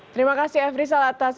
terima kasih efri salatas